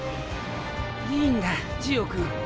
いいんだジオ君。